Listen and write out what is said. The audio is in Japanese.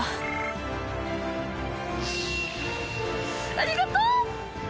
ありがとう。